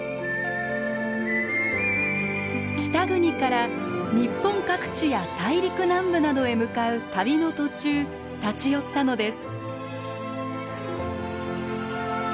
北国から日本各地や大陸南部などへ向かう旅の途中立ち寄ったのです。